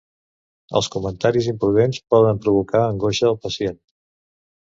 Els comentaris imprudents poden provocar angoixa al pacient.